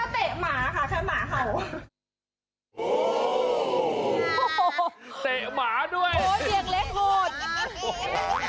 เดินมาแต่ก็ไม่ทำร้ายอะไร